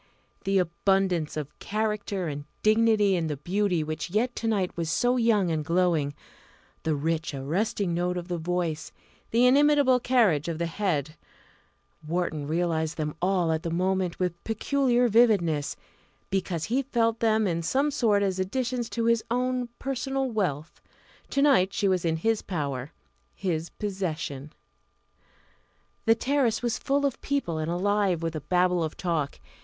The abundance of character and dignity in the beauty which yet to night was so young and glowing the rich arresting note of the voice the inimitable carriage of the head Wharton realised them all at the moment with peculiar vividness, because he felt them in some sort as additions to his own personal wealth. To night she was in his power, his possession. The terrace was full of people, and alive with a Babel of talk.